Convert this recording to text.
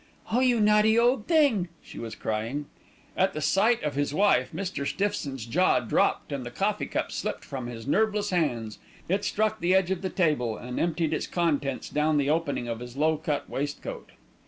"Oh, you naughty old thing!" she was crying. At the sight of his wife, Mr. Stiffson's jaw dropped and the coffee cup slipped from his nerveless hands. It struck the edge of the table and emptied its contents down the opening of his low cut waistcoat.